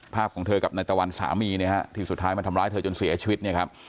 ภาพของเธอกับนายตะวันสามีที่สุดท้ายมันทำร้ายเธอจนเสียชีวิต